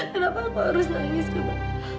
kenapa aku harus nangis gemba